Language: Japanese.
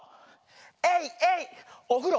エイエイおふろ。